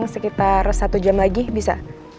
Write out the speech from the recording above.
sekitar satu jam lagi bisa